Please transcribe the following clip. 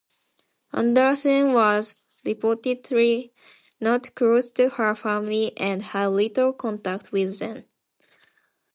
Andersen was reportedly not close to her family and had little contact with them.